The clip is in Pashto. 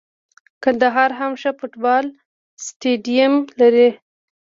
کندهار هم ښه فوټبال سټیډیم لري.